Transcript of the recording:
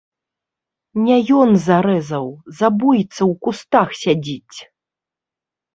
Не ён зарэзаў, забойца ў кустах сядзіць!